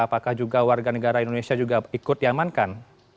apakah juga warga negara indonesia juga ikut diamankan